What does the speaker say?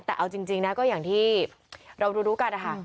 แต่เอาจริงนะก็อย่างที่เรารู้กันนะคะ